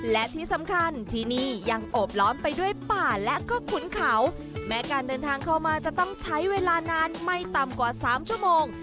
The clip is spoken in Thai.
และที่สำคัญที่นี่ยังโอบล้อมไปด้วยป่าและก็ขุนเขาแม้การเดินทางเข้ามาจะต้องใช้เวลานานไม่ต่ำกว่าสามชั่วโมง